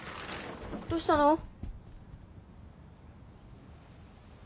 どうしたの？